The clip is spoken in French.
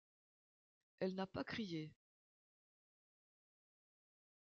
Elle n’a pas crié.